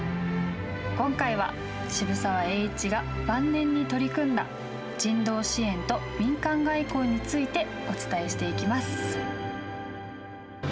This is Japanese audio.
今回は渋沢栄一が晩年に取り組んだ人道支援と民間外交についてお伝えしていきます。